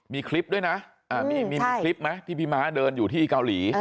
มีคลิปด้วยนะมีคลิปไหมที่พี่ม้าเดินอยู่ที่เกาหลี